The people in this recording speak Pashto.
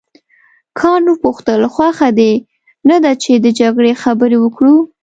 کانت وپوښتل خوښه دې نه ده چې د جګړې خبرې وکړو.